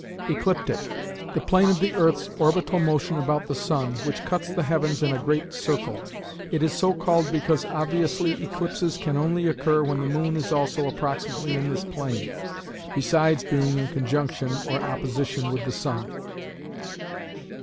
Ecliptic: The plane of the earth's orbital motion about the sun, which cuts the heavens in a great circle. It is so called because obviously eclipses can only occur when the moon is also approximately in this plane, besides being in conjunction or opposition with the sun.